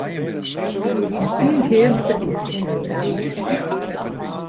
Ien kear moat de earste kear wêze.